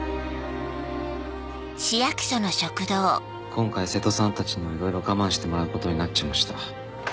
今回瀬戸さんたちにいろいろ我慢してもらうことになっちゃいました。